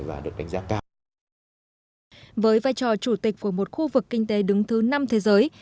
với vai trò chủ tịch của một khu vực kinh tế đứng thứ năm thế giới